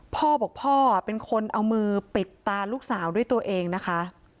พ่อบอกพ่อเป็นคนเอามือปิดตาลูกสาวด้วยตัวเองนะคะ